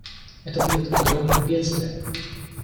Это будет огромным бедствием.